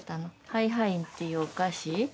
ハイハインっていうお菓子。